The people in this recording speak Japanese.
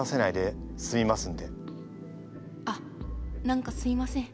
何かすいません。